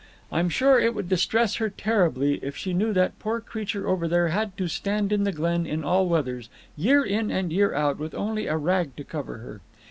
I'm sure it would distress her terribly if she knew that poor creature over there had to stand in the glen in all weathers, year in and year out, with only a rag to cover her.